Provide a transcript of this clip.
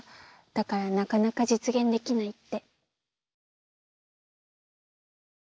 だからなかなか実現できないって。